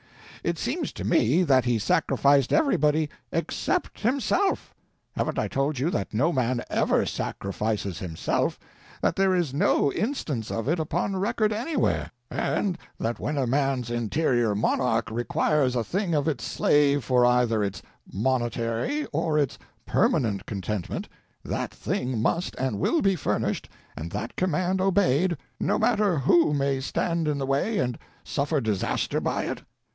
It seems to me that he sacrificed everybody except himself. Haven't I told you that no man ever sacrifices himself; that there is no instance of it upon record anywhere; and that when a man's Interior Monarch requires a thing of its slave for either its momentary or its permanent contentment, that thing must and will be furnished and that command obeyed, no matter who may stand in the way and suffer disaster by it?